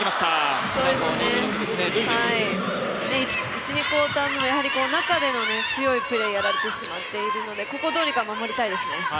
１、２クオーター目も中での強いプレーをやられてしまっているのでここ、どうにか守りたいですね。